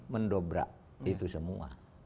mendobrak itu semua